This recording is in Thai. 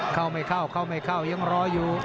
เข้าไม่เข้าเข้าไม่เข้ายังรออยู่